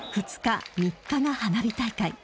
２日、３日が花火大会。